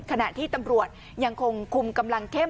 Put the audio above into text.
ขณะที่ตำรวจยังคงคุมกำลังเข้ม